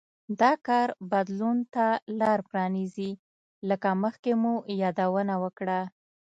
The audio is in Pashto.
دا کار بدلون ته لار پرانېزي لکه مخکې مو یادونه وکړه